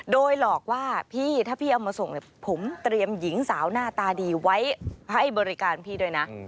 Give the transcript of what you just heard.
โดยหลอกว่าพี่ถ้าพี่เอามาส่งเนี่ยผมเตรียมหญิงสาวหน้าตาดีไว้ให้บริการพี่ด้วยนะ